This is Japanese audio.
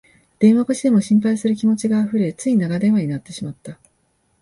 電話越しでも心配する気持ちがあふれ、つい長電話になってしまった